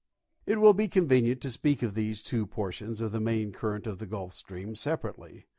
It will be convenient to speak of these two portions of the main current of the Gulf stream separately.